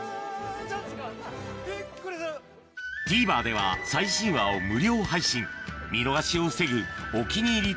ＴＶｅｒでは最新話を無料配信見逃しを防ぐ「お気に入り」